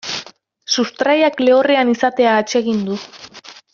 Sustraiak lehorrean izatea atsegin du.